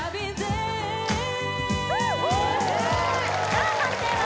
さあ判定は？